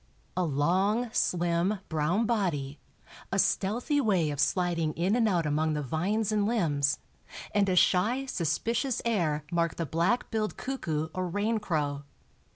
A long, slim, brown body, a stealthy way of sliding in and out among the vines and limbs, and a shy, suspicious air mark the black billed cuckoo or raincrow.